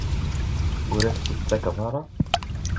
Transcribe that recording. Ur as-tt-id-tettakeḍ ara?